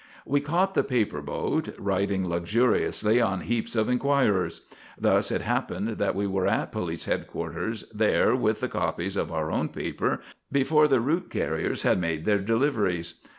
We caught the paper boat, riding luxuriously on heaps of Enquirers. Thus it happened that we were at police headquarters there with the copies of our own paper before the route carriers had made their deliveries.